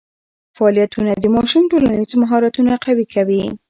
فعالیتونه د ماشوم ټولنیز مهارتونه قوي کوي.